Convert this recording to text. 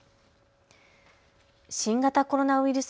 新型コロナウイルス